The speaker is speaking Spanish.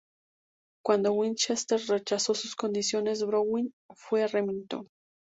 Cuando Winchester rechazó sus condiciones, Browning fue a Remington.